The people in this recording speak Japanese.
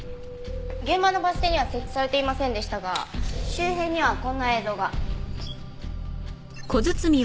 現場のバス停には設置されていませんでしたが周辺にはこんな映像が。